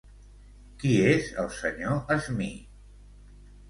Qui és el senyor Smee?